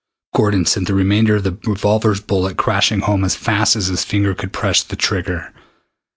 Gordon sent the remainder of the revolver's bullets crashing home as fast as his finger could press the trigger.